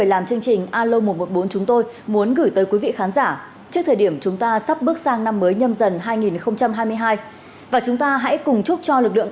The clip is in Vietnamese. hãy đăng ký kênh để ủng hộ kênh của chúng tôi nhé